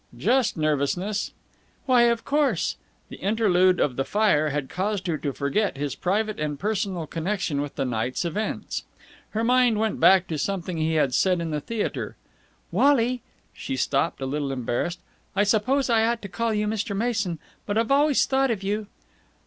"Just nervousness." "Why, of course." The interlude of the fire had caused her to forget his private and personal connection with the night's events. Her mind went back to something he had said in the theatre. "Wally " She stopped, a little embarrassed. "I suppose I ought to call you Mr. Mason, but I've always thought of you...."